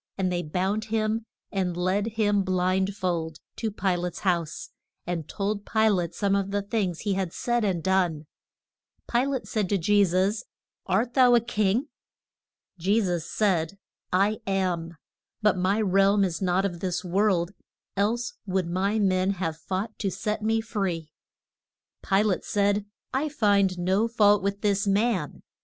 And they bound him and led him blind fold to Pi late's house, and told Pi late some of the things he had said and done. Pi late said to Je sus, Art thou a king? Je sus said, I am. But my realm is not of this world, else would my men have fought to set me free. [Illustration: "BE HOLD THE MAN."] Pi late said, I find no fault with this man.